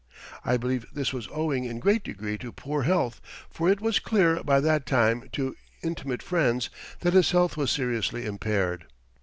I believe this was owing in great degree to poor health, for it was clear by that time to intimate friends that his health was seriously impaired.